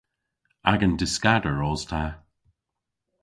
Agan dyskader os ta.